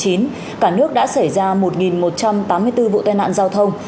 cả nước đã xảy ra một một trăm tám mươi bốn vụ tai nạn giao thông